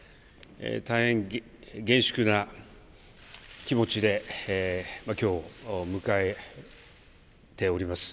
大変厳粛な気持ちできょうを迎えております。